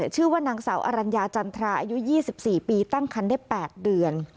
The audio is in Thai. ชื่อว่านางสาวอรัญญาจันทราอายุ๒๔ปีตั้งคันได้๘เดือน